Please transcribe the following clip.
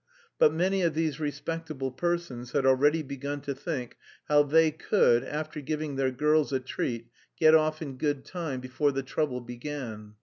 But many of these respectable persons had already begun to think how they could, after giving their girls a treat, get off in good time before "the trouble began."